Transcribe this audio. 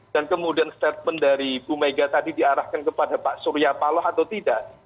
dan kemudian statement dari bu mega tadi diarahkan kepada pak surya paloh atau tidak